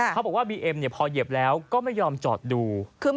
เขาบอกว่าบีเอ็มพอเหยียบแล้วก็ไม่ยอมจอดดู